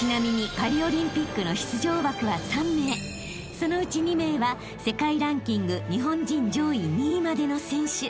［そのうち２名は世界ランキング日本人上位２位までの選手］